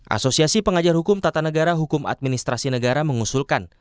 asosiasi pengajar hukum tata negara hukum administrasi negara mengusulkan